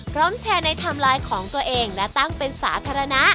แชร์ในไทม์ไลน์ของตัวเองและตั้งเป็นสาธารณะ